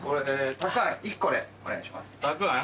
たくあん？